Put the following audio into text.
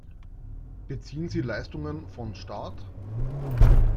Beziehen Sie Leistungen von Staat?